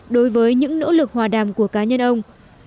đối với những nỗ lực hòa đàm của cá nhân ông